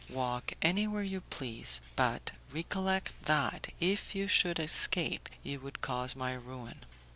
Walk anywhere you please; but recollect that, if you should escape, you would cause my ruin.